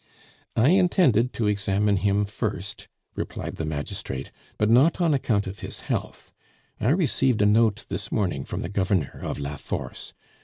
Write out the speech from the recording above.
"I intended to examine him first," replied the magistrate, "but not on account of his health. I received a note this morning from the Governor of La Force.